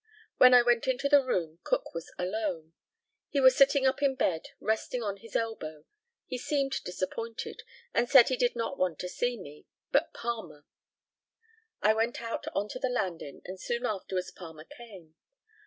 When I went into the room Cook was alone. He was sitting up in bed, resting on his elbow. He seemed disappointed, and said he did not want to see me, but Palmer. I went out on to the landing, and soon afterwards Palmer came.